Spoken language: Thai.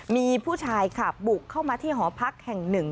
มีผู้ชายค่ะบุกเข้ามาที่หอพักแห่งหนึ่ง